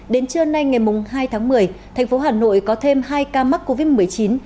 đến trưa nay ngày hai tháng một mươi thành phố hà nội có thêm hai ca mắc covid một mươi chín